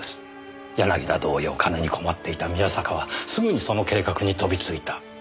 柳田同様金に困っていた宮坂はすぐにその計画に飛びついた。